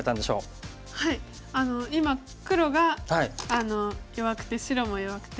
今黒が弱くて白も弱くて。